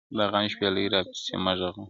د غم شپيلۍ راپسي مه ږغـوه~